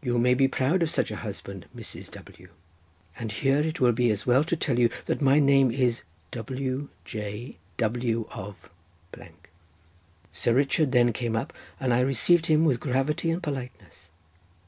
You may be proud of such a husband, Mrs. W.' And here it will be as well to tell you that my name is W—, J. W. of —. Sir Richard then came up, and I received him with gravity and politeness.